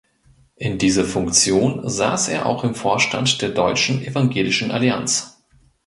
In dieser Funktion saß er auch im Vorstand der Deutschen Evangelischen Allianz.